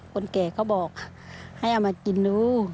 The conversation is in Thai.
คนแก่เขาบอกให้เอามากินดู